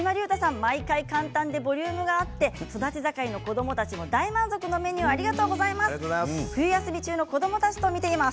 毎回簡単でボリュームがあって育ち盛りの子どもたちも大満足のメニューありがとうございます。